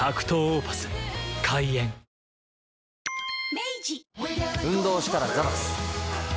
明治運動したらザバス。